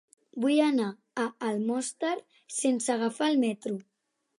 Vull anar a Almoster sense agafar el metro.